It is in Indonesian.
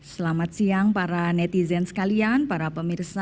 selamat siang para netizen sekalian para pemirsa